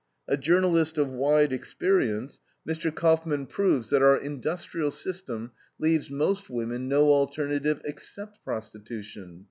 A journalist of wide experience, Mr. Kauffman proves that our industrial system leaves most women no alternative except prostitution.